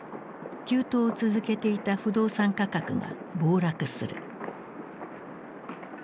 急騰を続けていた不動産価格が暴落する。